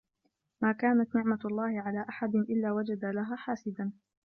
مَا كَانَتْ نِعْمَةُ اللَّهِ عَلَى أَحَدٍ إلَّا وَجَدَ لَهَا حَاسِدًا